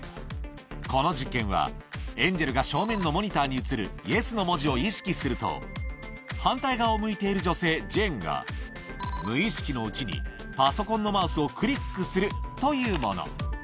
この実験は、エンジェルが正面のモニターに映るイエスの文字を意識すると、反対側を向いている女性、ジェーンが無意識のうちに、パソコンのマウスをクリックするというもの。